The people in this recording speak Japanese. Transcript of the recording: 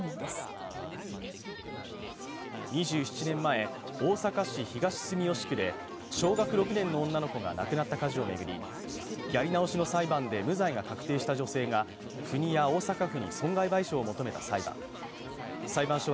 ２７年前、大阪市東住吉区で小学６年の女の子が亡くなった火事を巡りやり直しの裁判で無罪が確定した女性が国や大阪府に損害賠償を求めた裁判。